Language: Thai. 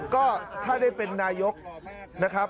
ก็ถ้าได้เป็นนายกนะครับ